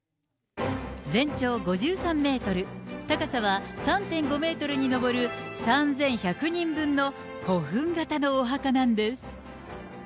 全長５３メートル、高さは３．５メートルに上る、３１００人分の古墳形のお墓なんです。